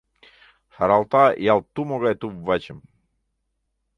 Шаралта ялт тумо гай туп-вачым.